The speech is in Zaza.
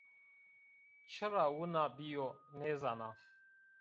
Çira wina bîyo, nêzana.